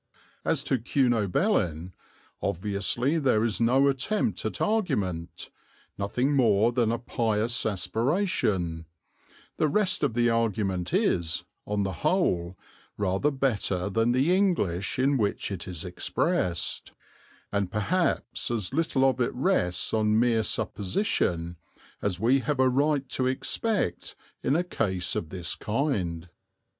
As to Cunobelin, obviously there is no attempt at argument, nothing more than a pious aspiration; the rest of the argument is, on the whole, rather better than the English in which it is expressed, and perhaps as little of it rests on mere supposition as we have a right to expect in a case of this kind.